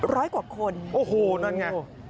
ร้อยกว่าคนโอ้โหนั่นไง